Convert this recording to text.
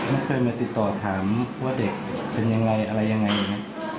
ไม่เคยมาติดต่อถามว่าเด็กเป็นยังไงอะไรยังไงอย่างนี้